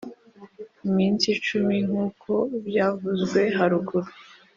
iminsi cumi nkuko byavuzwe haruguru.